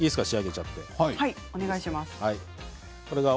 お願いします。